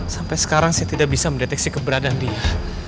sampai sekarang saya tidak bisa mendeteksi keberadaan dia